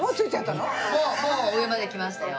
もうもう上まで来ましたよ。